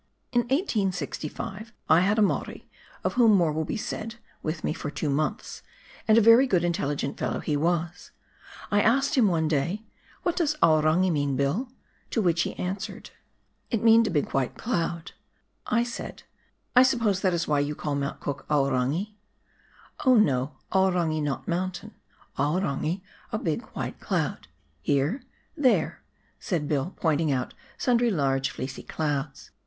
In 1865 I had a Maori (of whom more will be said) with me for two months, and a very good, intelligent fellow he was. I asked him one day, "What does 'Aorangi' mean, Bill?" to which he answered — TASMAN DISTRICT. 13 "It mean de big, white cloud." I said, "I suppose that is why you call Mount Cook Aorangi ?"" Oh, no ; Aorangi not mountain, Aorangi a big, white cloud, here — there —" said Bill, pointing out sundry large, fleecy clouds.